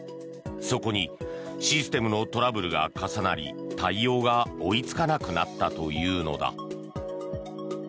そこにシステムのトラブルが重なり対応が追いつかなくなったというのだ。